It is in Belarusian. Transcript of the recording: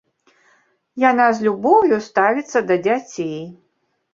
Яна з любоўю ставіцца да дзяцей.